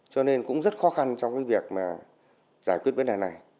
cho nên cũng rất khó khăn trong việc giải quyết vấn đề này